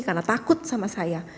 karena takut sama saya